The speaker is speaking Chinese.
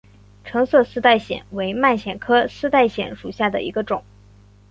橙色丝带藓为蔓藓科丝带藓属下的一个种。